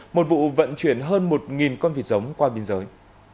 một vụ vận chuyển hơn một con vịt giống qua biên giới